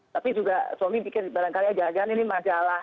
tapi juga suami pikir barangkali aja jangan ini majalah